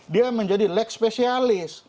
dia menjadi leg spesialis